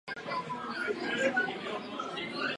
Byl klíčovým představitelem právního pozitivismu.